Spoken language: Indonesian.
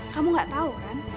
kamu gak tau